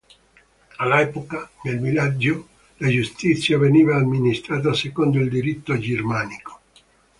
All'epoca, nel villaggio, la giustizia veniva amministrata secondo il diritto germanico.